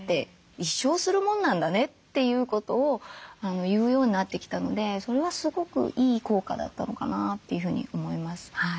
「一生するもんなんだね」ということを言うようになってきたのでそれはすごくいい効果だったのかなというふうに思います。